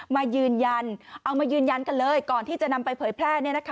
มายืนยันเอามายืนยันกันเลยก่อนที่จะนำไปเผยแพร่